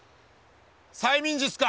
催眠術か！？